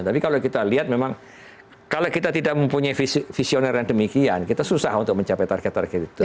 tapi kalau kita lihat memang kalau kita tidak mempunyai visioner yang demikian kita susah untuk mencapai target target itu